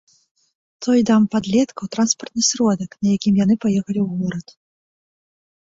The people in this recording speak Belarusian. Той даў падлеткам транспартны сродак, на якім яны паехалі ў горад.